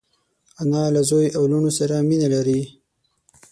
انا له زوی او لوڼو سره مینه لري